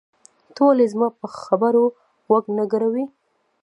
ته ولې زما په خبرو غوږ نه ګروې؟